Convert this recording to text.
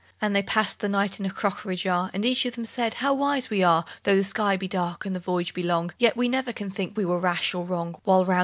And they passed the night in a crockery jar; And each of them said, "How wise we are! Though the sky be dark, and the voyage be long, Yet we never can think we were rash or wrong, While round in our sieve we spin."